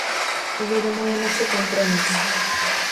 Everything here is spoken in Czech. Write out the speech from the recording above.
Uvědomujeme si kompromis.